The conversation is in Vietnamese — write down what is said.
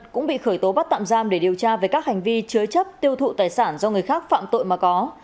cũng bị khởi tố bắt tạm giam để điều tra về các hành vi chứa chấp tiêu thụ tài sản do người khác phạm tội mà có